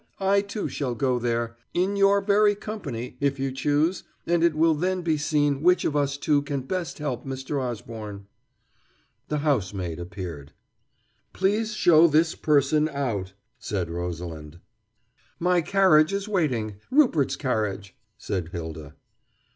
I, too, shall go there, in your very company, if you choose, and it will then be seen which of us two can best help Mr. Osborne." The housemaid appeared. "Please show this person out," said Rosalind. "My carriage is waiting Rupert's carriage," said Hylda.